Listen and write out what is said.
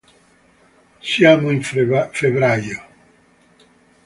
Siamo in febbraio.